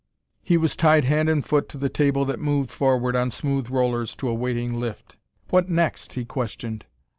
He was tied hand and foot to the table that moved forward on smooth rollers to a waiting lift. What next? he questioned.